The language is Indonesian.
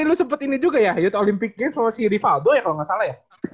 tapi lu sempet ini juga ya yut olympic games sama si rifaldo ya kalo gak salah ya